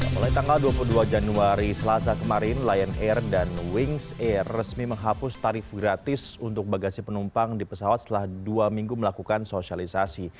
mulai tanggal dua puluh dua januari selasa kemarin lion air dan wings air resmi menghapus tarif gratis untuk bagasi penumpang di pesawat setelah dua minggu melakukan sosialisasi